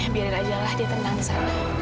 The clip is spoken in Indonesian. biarin aja lah dia tenang di sana